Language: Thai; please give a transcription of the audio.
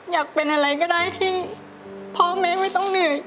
อยากเป็นอะไรก็ได้ที่พ่อแม่ไม่ต้องเหนื่อย